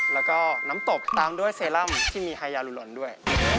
แล้วก็น้ำตกตามด้วยเซรั่มที่มีไฮยารุลนด้วย